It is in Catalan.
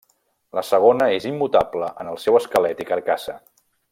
La segona és immutable, en el seu esquelet i carcassa.